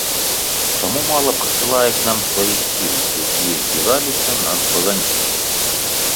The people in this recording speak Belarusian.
Чаму мала прысылае к нам сваіх сіл, якія збіраліся нас бараніць.